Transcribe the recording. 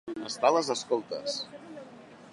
Estar a les escoltes.